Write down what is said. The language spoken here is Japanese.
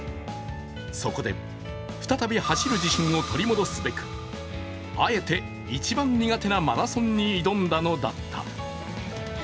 そこで再び走る自信を取り戻すべく、あえて一番苦手なマラソンに挑んだのだった。